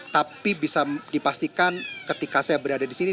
tapi bisa dipastikan ketika saya berada di sini